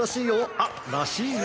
あっらしいね。